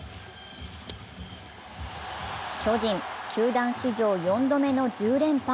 巨人、球団史上４度目の１０連敗。